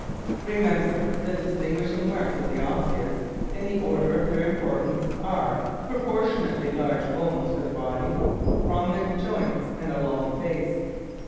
_Remember, the distinguishing marks of the Osseous, in the order of their importance, are PROPORTIONATELY LARGE BONES FOR THE BODY, PROMINENT JOINTS and A LONG FACE.